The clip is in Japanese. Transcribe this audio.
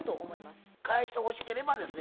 返してほしければですね